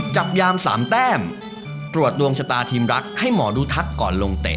จับยามสามแต้มตรวจดวงชะตาทีมรักให้หมอดูทักก่อนลงเตะ